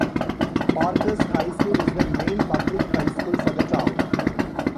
Parkes High School is the main public high school for the town.